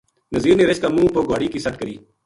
نزیر نے رچھ کا منہ پو گُہاڑی کی سَٹ کری